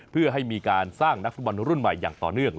เพื่อให้มีการสร้างนักฟุตบอลรุ่นใหม่อย่างต่อเนื่อง